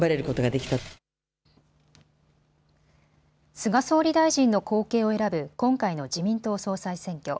菅総理大臣の後継を選ぶ今回の自民党総裁選挙。